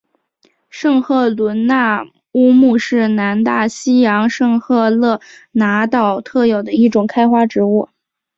圣赫伦那乌木是南大西洋圣赫勒拿岛特有的一种开花植物。